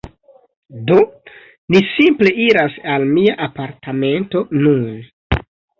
Do, ni simple iras al mia apartamento nun